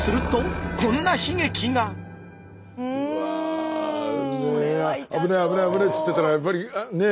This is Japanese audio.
「危ない危ない危ない」っつってたらやっぱりねえ。